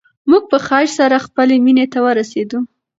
موږ په خیر سره خپلې مېنې ته ورسېدو.